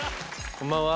こんばんは。